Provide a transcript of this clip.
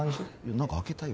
何か開けたよ